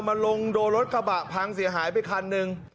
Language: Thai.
มาลงโดนรถกระบะพังเสียหายไปคันหนึ่ง